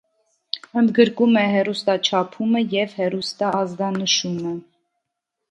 Ընդգրկում է հեռուստաչափումը և հեռուստաազդանշումը։